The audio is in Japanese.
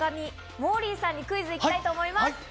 モーリーさんにクイズ行きたいと思います。